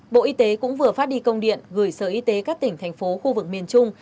bộ y tế cũng vừa phát đi công điện gửi sở y tế các tỉnh thành phố khu vực miền trung